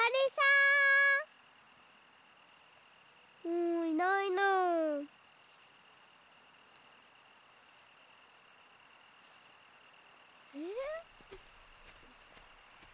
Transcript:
うんいないな。え？